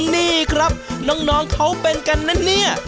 นี่ครับน้องเขาเป็นกันนะเนี่ย